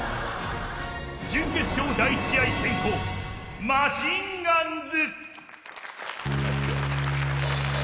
準決勝、第１試合先攻マシンガンズ。